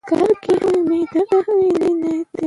ازادي راډیو د د بشري حقونو نقض په اړه د نېکمرغۍ کیسې بیان کړې.